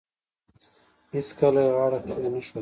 هیڅکله یې غاړه کښېنښوده.